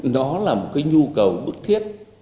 nó là một cái nhu cầu bức thiết